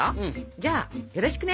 じゃあよろしくね。